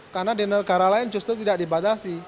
karena di negara lain justru tidak dibatasi